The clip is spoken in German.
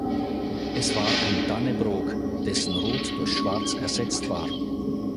Es war ein Dannebrog, dessen Rot durch Schwarz ersetzt war.